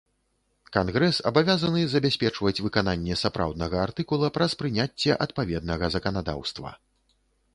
Кангрэс абавязаны забяспечваць выкананне сапраўднага артыкула праз прыняцце адпаведнага заканадаўства.